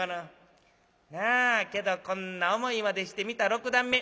なあけどこんな思いまでして見た六段目。